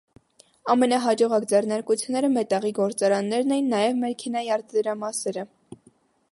Ամենահաջողակ ձեռնարկությունները մետաղի գործարաններն էին, նաև մեքենայի արտադրամասերը։